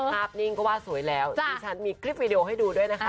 นิ่งก็ว่าสวยแล้วดิฉันมีคลิปวีดีโอให้ดูด้วยนะคะ